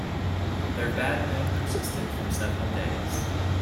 Their bad mood persisted for several days.